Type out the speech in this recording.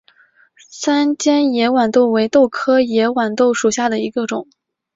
三尖野豌豆为豆科野豌豆属下的一个种。